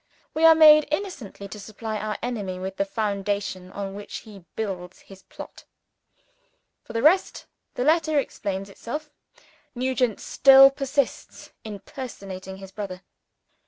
We are made innocently to supply our enemy with the foundation on which he builds his plot. For the rest, the letter explains itself. Nugent still persists in personating his brother.